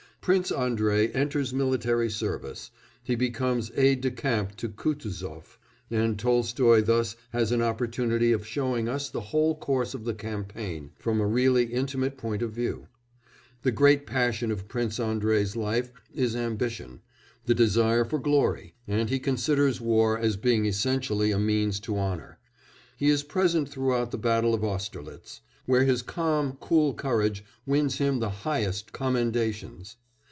Prince Andrei enters military service; he becomes aide de camp to Kutuzof, and Tolstoy thus has an opportunity of showing us the whole course of the campaign from a really intimate point of view. The great passion of Prince Andrei's life is ambition the desire for glory and he considers war as being essentially a means to honour; he is present throughout the battle of Austerlitz, where his calm, cool courage wins him the highest commendations.